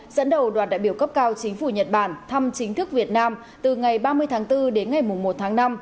dẫn đầu đoàn đại biểu cấp cao chính phủ nhật bản thăm chính thức việt nam từ ngày ba mươi tháng bốn đến ngày một tháng năm